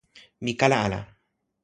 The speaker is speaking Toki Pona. mi kala ala.